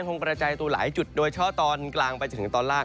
ทรงประจายตัวหลายจุดโดยช่อตอนกลางไปถึงตอนล่าง